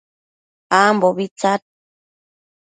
ambobi tsad